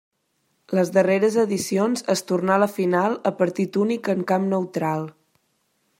Les darreres edicions es tornà a la final a partit únic en camp neutral.